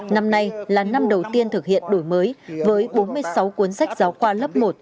năm nay là năm đầu tiên thực hiện đổi mới với bốn mươi sáu cuốn sách giáo khoa lớp một